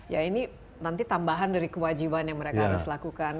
ya ini nanti tambahan dari kewajiban yang mereka harus lakukan